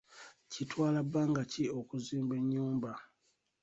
Kitwala bbanga ki okuzimba enyumba?